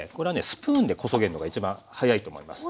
スプーンでこそげるのが一番早いと思います。